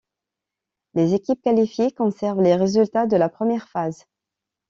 Les équipes qualifiées conservent les résultats de la première phase.